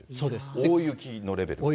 大雪のレベル。